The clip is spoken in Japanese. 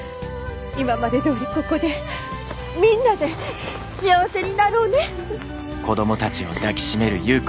今までどおりここでみんなで幸せになろうね。